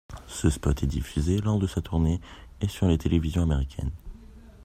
Ce spot est diffusé lors de sa tournée ' et sur les télévisions américaines.